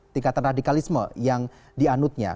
tingkatan radikalisme yang dianutnya